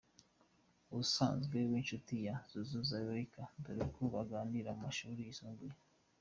Ubusanzwe w’inshuti ya Zouzou Zoulaika dore ko baniganye mu mashuli yisumbuye.